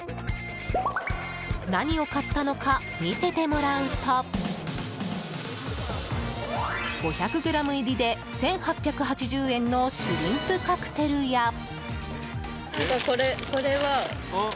何を買ったのか見せてもらうと５００ｇ入りで１８８０円のシュリンプカクテルや。